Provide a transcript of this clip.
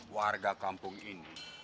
warga kampung ini